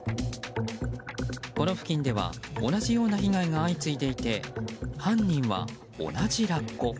この付近では同じような被害が相次いでいて犯人は同じラッコ。